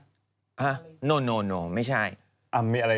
ห้ะโนไม่ใช่